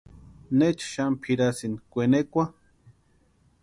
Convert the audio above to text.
¿Necha xani pʼirasïni kwenekwa?